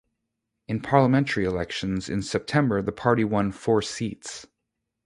In parliamentary elections in September the party won four seats.